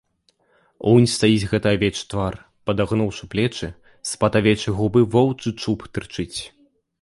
Унь стаіць гэты авечы твар, падагнуўшы плечы, з-пад авечай губы воўчы чуб тырчыць.